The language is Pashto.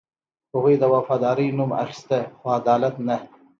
هغوی د وفادارۍ نوم اخیسته، خو عدالت نه.